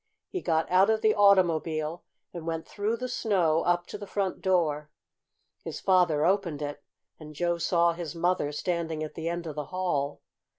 He got out of the automobile and went through the snow up to the front door. His father opened it, and Joe saw his mother standing at the end of the hall.